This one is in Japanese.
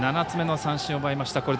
７つ目の三振を奪いました。